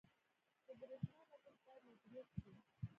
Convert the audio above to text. • د برېښنا لګښت باید مدیریت شي.